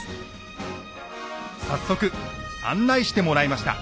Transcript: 早速案内してもらいました。